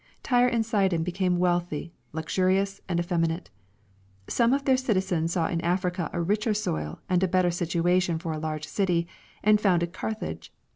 Tyre and Sidon became wealthy, luxurious, and effeminate. Some of their citi zens saw in Africa a richer soil and a better situation for a large city, and founded Carthage.